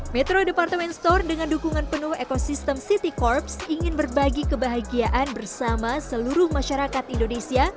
metro departemen store dengan dukungan penuh ekosistem city corps ingin berbagi kebahagiaan bersama seluruh masyarakat indonesia